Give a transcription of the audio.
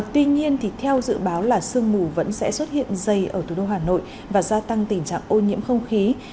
tuy nhiên thì theo dự báo là sương mù vẫn sẽ xuất hiện dày ở thủ đô hà nội và gia tăng tình trạng ô nhiễm không khí